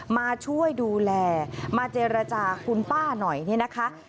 มาช่วยดูแลมาเจรจาคุณป้าหน่อยนี่นะคะ